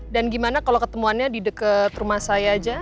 dan gimana kalo ketemuannya di deket rumah saya aja